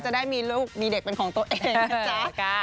จะได้มีลูกมีเด็กเป็นของตัวเองนะจ๊ะ